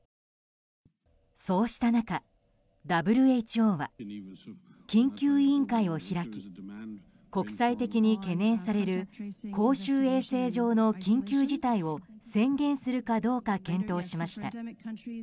そうした中、ＷＨＯは緊急委員会を開き国際的に懸念される公衆衛生上の緊急事態を宣言するかどうか検討しました。